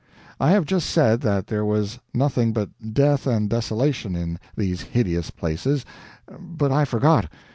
I have just said that there was nothing but death and desolation in these hideous places, but I forgot.